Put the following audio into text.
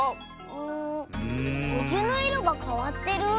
んおゆのいろがかわってる？